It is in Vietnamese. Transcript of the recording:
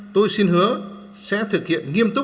tôi xin hứa sẽ thực hiện nghiêm túc